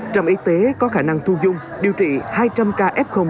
trạm y tế có khả năng thu dung điều trị hai trăm linh ca f tại chỗ